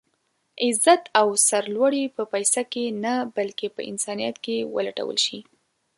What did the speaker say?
عزت او سر لوړي په پيسه کې نه بلکې په انسانيت کې ولټول شي.